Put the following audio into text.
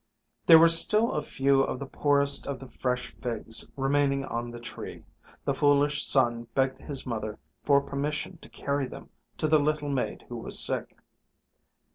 There were still a few of the poorest of the fresh figs remaining on the tree. The foolish son begged his mother for permission to carry them to the little maid who was sick.